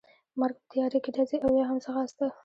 مرګ، په تیارې کې ډزې او یا هم ځغاسته.